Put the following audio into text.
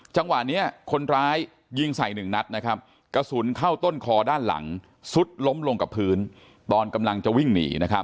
จังหวะนี้คนร้ายยิงใส่หนึ่งนัดนะครับกระสุนเข้าต้นคอด้านหลังสุดล้มลงกับพื้นตอนกำลังจะวิ่งหนี